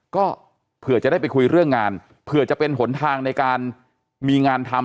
ก็เผื่อจะได้ไปคุยเรื่องงานเผื่อจะเป็นหนทางในการมีงานทำ